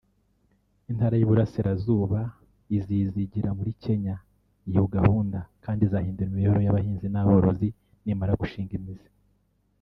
Intara y’Iburasirazuba izizigira kuri Kenya iyo gahunda kandi izahindura imibereho y’abahinzi n’aborozi nimara gushinga imizi